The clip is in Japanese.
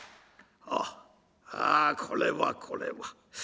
「ああこれはこれは。